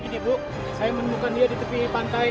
ini bu saya menemukan dia di tepi pantai